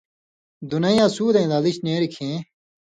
دنئ یاں سُودَیں لالچ نېریۡ کھیں